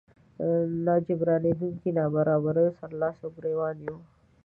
ناجبرانېدونکو نابرابريو سره لاس ګریوان يو.